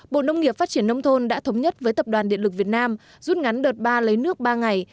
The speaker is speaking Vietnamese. các hồ chứa thủy điện nông thôn đã thống nhất với tập đoàn điện lực việt nam rút ngắn đợt ba lấy nước ba ngày